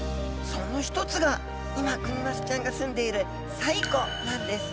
その一つが今クニマスちゃんがすんでいる西湖なんです！